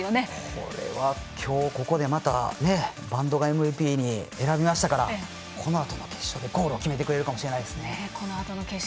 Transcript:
これは今日ここで播戸がＭＶＰに選びましたからこのあとの決勝でゴールを決めてくれるかもしれないですね。